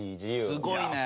すごいね！